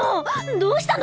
どしたの？